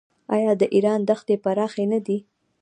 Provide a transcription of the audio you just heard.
آیا د ایران دښتې پراخې نه دي؟